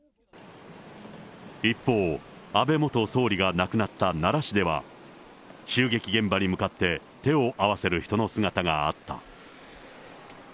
一方、安倍元総理が亡くなった奈良市では、襲撃現場に向かって手を合わせる人の姿があった。